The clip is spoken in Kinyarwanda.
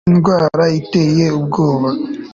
mfite indwara iteye ubwoba